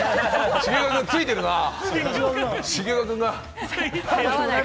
重岡君、ついてるのかな？